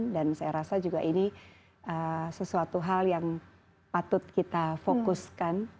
dan saya rasa juga ini sesuatu hal yang patut kita fokuskan